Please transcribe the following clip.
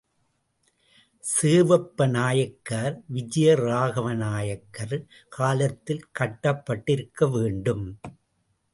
சேவப்ப நாயக்கர், விஜயராகவ நாயக்கர் காலத்தில் கட்டப்பட்டிருக்க வேண்டும்.